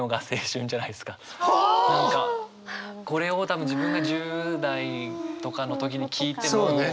これを多分自分が１０代とかの時に聞いても。